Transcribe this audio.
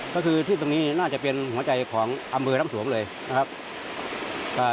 ก็คือที่ตรงนี้น่าจะเป็นหัวใจของอำเภอน้ำสวงเลยนะครับอ่า